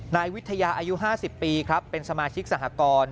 นายวิทยาอายุ๕๐ปีครับเป็นสมาชิกสหกร